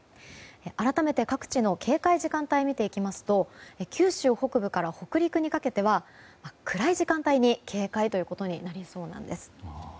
改めて各地の警戒時間帯を見ていきますと九州北部から北陸にかけては暗い時間帯に警戒ということになりそうなんです。